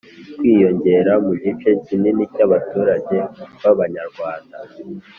kwiyongera mu gice kinini cy'abaturage b'abanyarwanda.